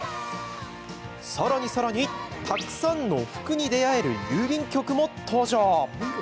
さらにさらにたくさんの「ふく」に巡り会える郵便局も登場。